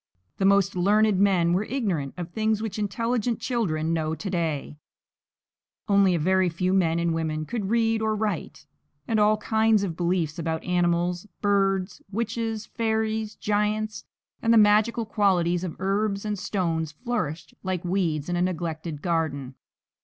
The most learned men were ignorant of things which intelligent children know to day; only a very few men and women could read or write; and all kinds of beliefs about animals, birds, witches, fairies, giants, and the magical qualities of herbs and stones flourished like weeds in a neglected garden.